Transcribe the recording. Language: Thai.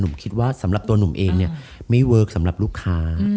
คิดว่าสำหรับตัวหนุ่มเองเนี่ยไม่เวิร์คสำหรับลูกค้า